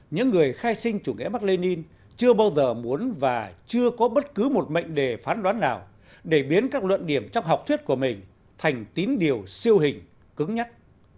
những người khai sinh chủ nghĩa mark lenin chưa bao giờ muốn và chưa có bất cứ một mệnh đề phán đoán nào để biến các luận điểm trong học thuyết của mình thành tín điều siêu hình cứng nhắc